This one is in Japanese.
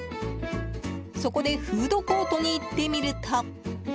そこでフードコートに行ってみると。